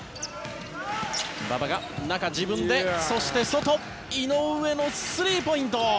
馬場が中、自分でそして外井上のスリーポイント。